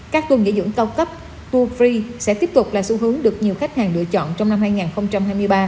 các tour nghỉ dưỡng cao cấp tu free sẽ tiếp tục là xu hướng được nhiều khách hàng lựa chọn trong năm hai nghìn hai mươi ba